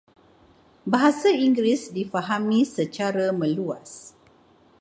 Bahasa Inggeris difahami secara meluas.